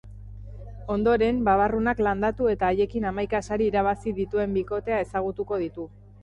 Ondoren, babarrunak landatu eta haiekin hamaika sari irabazi dituen bikotea ezagutuko ditu.